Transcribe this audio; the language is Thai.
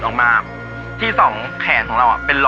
ยอมเบื้อง